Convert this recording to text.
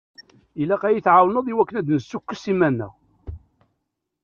Ilaq ad yi-tɛawneḍ i wakken ad d-nessukkes iman-nneɣ.